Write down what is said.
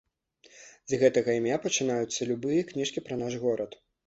З гэтага імя пачынаюцца любыя кніжкі пра наш горад.